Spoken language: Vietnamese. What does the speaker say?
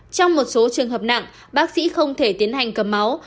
trong một số trường hợp nặng bác sĩ không thể tiến hành cầm máu